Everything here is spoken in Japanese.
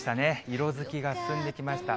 色づきが進んできました。